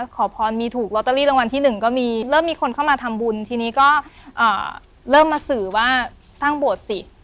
ขอพรมีถูกลอตเตอรี่รางวัลที่หนึ่งก็มีเริ่มมีคนเข้ามาทำบุญทีนี้ก็เริ่มมาสื่อว่าสร้างโบสถ์สิ